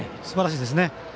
すばらしいですね。